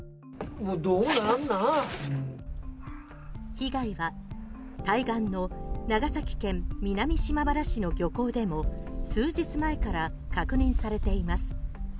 被害は対岸の長崎県南島原市の漁港でも数日前から確認されています。